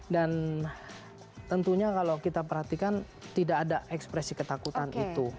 dan tentunya kalau kita perhatikan tidak ada ekspresi ketakutan itu